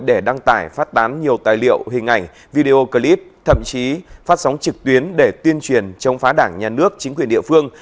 để đăng tải phát tán nhiều tài liệu hình ảnh video clip thậm chí phát sóng trực tuyến để tuyên truyền chống phá đảng nhà nước chính quyền địa phương